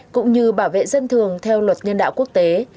cũng như bảo vệ dân thường theo luật nhân đạo quốc tế